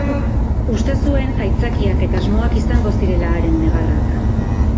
Uste zuen aitzakiak eta asmoak izango zirela haren negarrak.